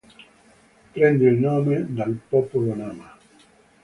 Prende il nome dal popolo Nama.